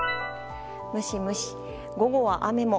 ムシムシ、午後は雨も。